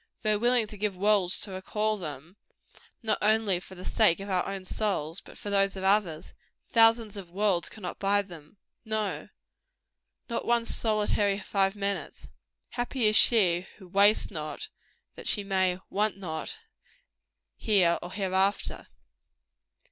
Though willing to give worlds to recall them not only for the sake of our own souls, but for those of others thousands of worlds cannot buy them. No, not one solitary five minutes. Happy is she who "wastes not," that she may "want not," here or hereafter.